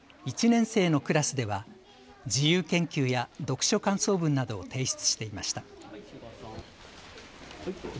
１年生のクラスでは自由研究や読書感想文などを提出していました。